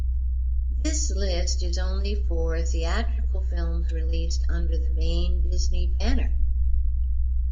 This list is only for theatrical films released under the main Disney banner.